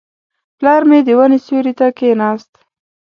پلار مې د ونې سیوري ته کښېناست.